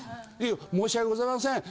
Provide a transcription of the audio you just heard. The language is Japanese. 「申し訳ございません。